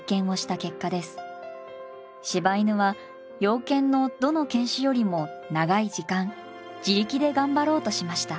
柴犬は洋犬のどの犬種よりも長い時間自力で頑張ろうとしました。